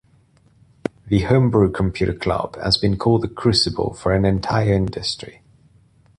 The Homebrew Computer Club has been called the crucible for an entire industry.